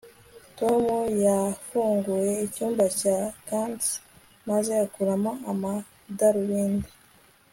tom yafunguye icyumba cya gants maze akuramo amadarubindi